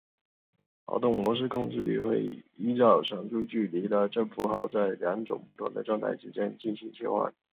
滑动模式控制律会依照上述距离的正负号在二种不同的状态之间进行切换。